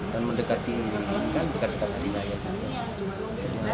dan mendekati ikan mendekati kapal wilayah juga